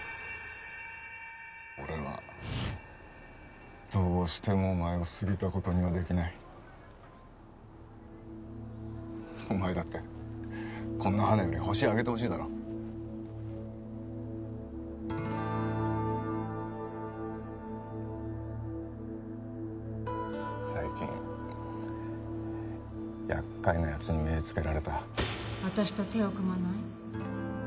俺はどうしてもお前をすぎたことにはできないお前だってこんな花よりホシ挙げてほしいだろ最近やっかいなやつに目ぇつけられた私と手を組まない？